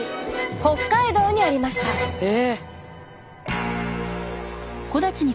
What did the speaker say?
北海道にありました。え？